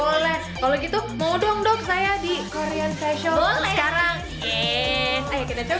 boleh kalau gitu mau dong dok saya di korean facial sekarang